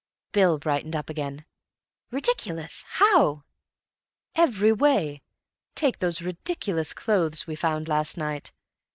Bill brightened up again. "Ridiculous? How?" "Every way. Take those ridiculous clothes we found last night.